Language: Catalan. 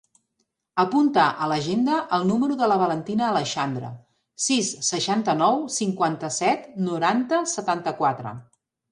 Apunta a l'agenda el número de la Valentina Aleixandre: sis, seixanta-nou, cinquanta-set, noranta, setanta-quatre.